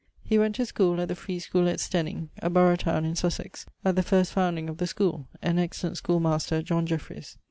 went to schoole at the free schoole at Stenning, a burrough towne in Sussex, at the first founding of the schoole; an excellent schoolmaster, John Jeffreys.